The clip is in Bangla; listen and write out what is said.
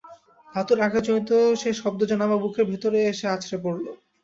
ধাতুর আঘাতজনিত সে শব্দ যেন আমার বুকের ভেতরে এসে আছড়ে পড়ল।